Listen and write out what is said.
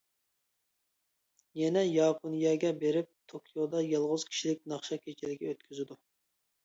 يەنە ياپونىيەگە بېرىپ توكيودا يالغۇز كىشىلىك ناخشا كېچىلىكى ئۆتكۈزىدۇ.